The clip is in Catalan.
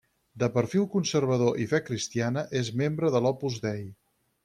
De perfil conservador i fe cristiana, és membre de l'Opus Dei.